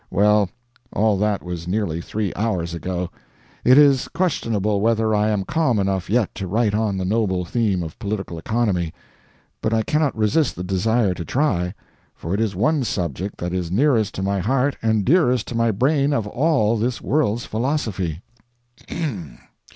Well, all that was nearly three hours ago. It is questionable whether I am calm enough yet to write on the noble theme of political economy, but I cannot resist the desire to try, for it is the one subject that is nearest to my heart and dearest to my brain of all this world's philosophy.